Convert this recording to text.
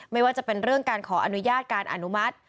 ไม่ว่าจะเป็นเรื่องการขออนุญาตการอนุมัติ